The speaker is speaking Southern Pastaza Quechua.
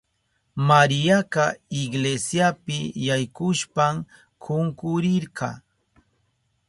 Mariaka iglesiapi yaykushpan kunkurirka.